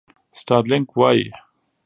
سټارلېنک وایي.